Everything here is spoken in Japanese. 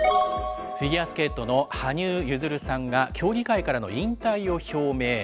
フィギュアスケートの羽生結弦さんが、競技会からの引退を表明。